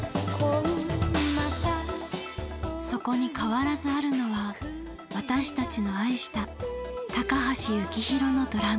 そこに変わらずあるのは私たちの愛した高橋幸宏のドラムです。